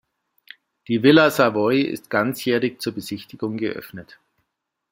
Die Villa Savoye ist ganzjährig zur Besichtigung geöffnet.